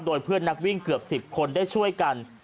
โดยเพื่อนนักวิ่งเกือบ๑๐คนได้ช่วยกัน